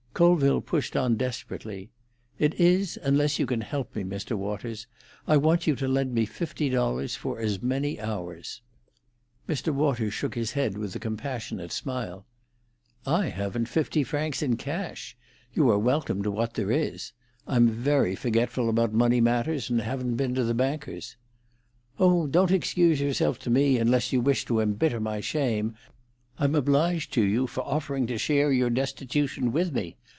Colville pushed on desperately. "It is, unless you can help me, Mr. Waters. I want you to lend me fifty dollars for as many hours." Mr. Waters shook his head with a compassionate smile. "I haven't fifty francs in cash. You are welcome to what there is. I'm very forgetful about money matters, and haven't been to the bankers." "Oh, don't excuse yourself to me, unless you wish to embitter my shame. I'm obliged to you for offering to share your destitution with me.